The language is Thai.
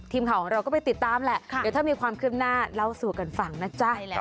ทีมข่าวของเราก็ไปติดตามแหละเดี๋ยวถ้ามีความคืบหน้าเล่าสู่กันฟังนะจ๊ะ